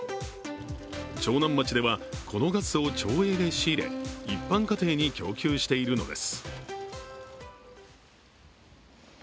長南町では、このガスを町営で仕入れ、一般家庭に供給しているのです。